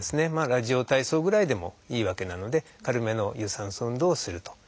ラジオ体操ぐらいでもいいわけなので軽めの有酸素運動をすると。